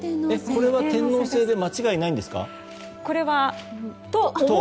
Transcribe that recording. これは天王星で間違いないんですか？